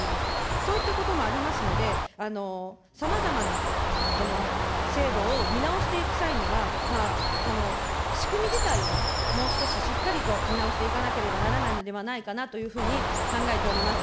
そういったこともありますので、さまざまな制度を見直していく際には、仕組み自体をね、もう少ししっかりと見直していかなければならないのではないかなというふうに考えております。